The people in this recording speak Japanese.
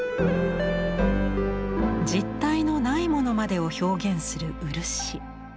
実体のないものまでを表現する漆。